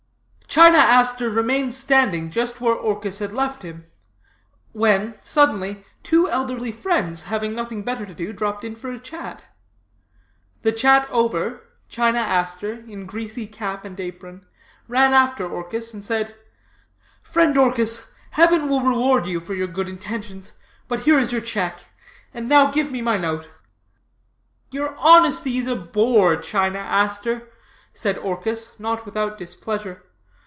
"China Aster remained standing just where Orchis had left him; when, suddenly, two elderly friends, having nothing better to do, dropped in for a chat. The chat over, China Aster, in greasy cap and apron, ran after Orchis, and said: 'Friend Orchis, heaven will reward you for your good intentions, but here is your check, and now give me my note.' "'Your honesty is a bore, China Aster,' said Orchis, not without displeasure.